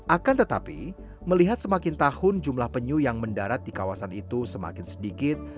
akan tetapi melihat semakin tahun jumlah penyu yang mendarat di kawasan itu semakin sedikit